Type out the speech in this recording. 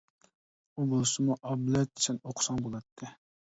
ئۇ بولسىمۇ، ئابلەت، سەن ئوقۇساڭ بولاتتى.